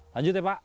lanjut ya pak